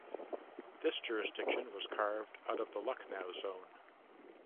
This jurisdiction was carved out of the Lucknow Zone.